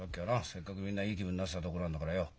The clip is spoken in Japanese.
せっかくみんないい気分になってたところなんだからよ